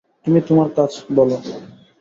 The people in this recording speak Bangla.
তুমি তোমার কাজ বলো?